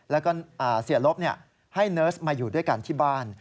แล้วก็เสียลบให้เนิร์สมาอยู่ด้วยกันที่บ้าน